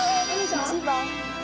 １番。